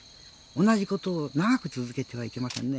おんなじことを長く続けてはいけませんね。